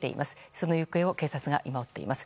その行方を警察が今、追っています。